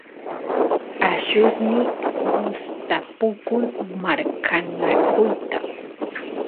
allusniy gustapukun marqanakuyta